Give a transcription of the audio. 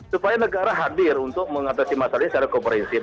supaya negara hadir untuk mengatasi masalah secara komprensif